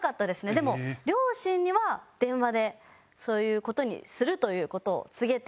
でも両親には電話でそういう事にするという事を告げて。